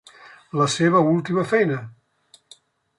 La seva última feina.